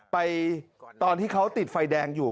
ตอนที่เขาติดไฟแดงอยู่